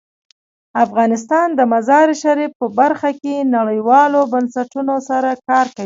افغانستان د مزارشریف په برخه کې نړیوالو بنسټونو سره کار کوي.